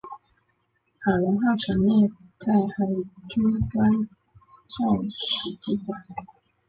海龙号陈列在海军官校史绩馆。